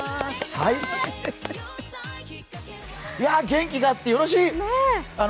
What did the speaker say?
元気があってよろしい！